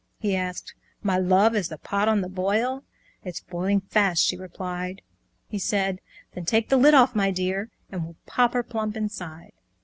He asked, "My love, is the pot on the boil?" "It's boiling fast," she replied. He said, "Then take the lid off, my dear, And we'll pop her plump inside!"